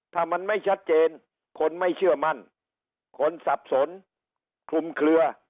ถ้ามันไม่ชัดเจนคนไม่เชื่อมั่นคนสับสนคลุมเคลือ